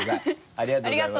ありがとうございます。